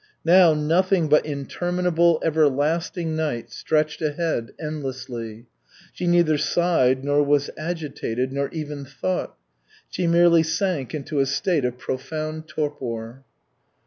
Now nothing but interminable everlasting night stretched ahead endlessly. She neither sighed, nor was agitated, nor even thought. She merely sank into a state of profound torpor.